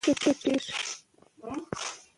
افغانان تل ازادي خوښوونکي خلک دي.